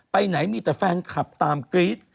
ไปไหนมีแต่แฟนคลับตามกรี๊ด